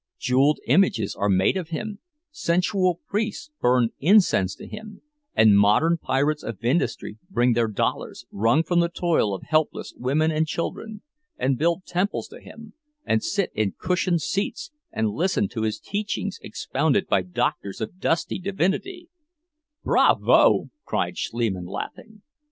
Jeweled images are made of him, sensual priests burn incense to him, and modern pirates of industry bring their dollars, wrung from the toil of helpless women and children, and build temples to him, and sit in cushioned seats and listen to his teachings expounded by doctors of dusty divinity—" "Bravo!" cried Schliemann, laughing.